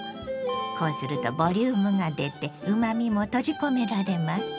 こうするとボリュームが出てうまみも閉じ込められます。